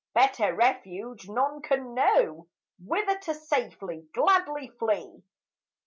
Better refuge none can know Whither to safely, gladly flee.